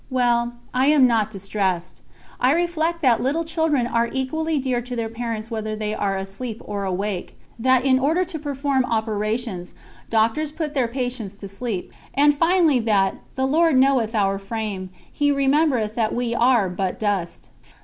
Well, I am not distressed. I reflect that little children are equally dear to their parents whether they are asleep or awake; that, in order to perform operations, doctors put their patients to sleep; and finally that "The Lord knoweth our frame, He remembereth that we are but dust."